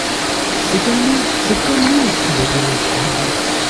C'est comme nous ! c'est comme nous ! criait Deloche ravi.